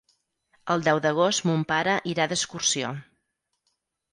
El deu d'agost mon pare irà d'excursió.